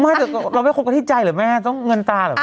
ไม่เดี๋ยวเราไปคบกันที่ใจหรือไม่ต้องเงินตาหรือเปล่า